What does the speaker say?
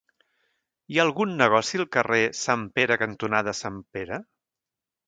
Hi ha algun negoci al carrer Sant Pere cantonada Sant Pere?